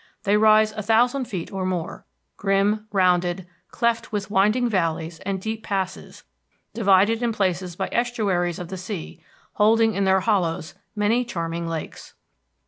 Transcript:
They rise a thousand feet or more, grim, rounded, cleft with winding valleys and deep passes, divided in places by estuaries of the sea, holding in their hollows many charming lakes.